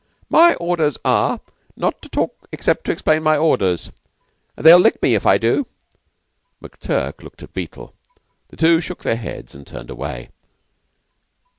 "My orders are, not to talk except to explain my orders they'll lick me if I do." McTurk looked at Beetle. The two shook their heads and turned away.